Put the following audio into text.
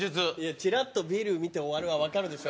「チラッとビル見て終わる」はわかるでしょ？